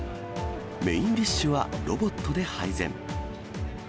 メインディッシュはロボットで配膳。